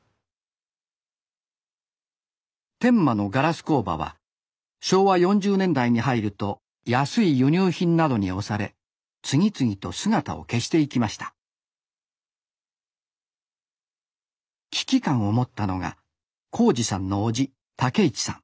天満のガラス工場は昭和４０年代に入ると安い輸入品などに押され次々と姿を消していきました危機感を持ったのが孝次さんの叔父武一さん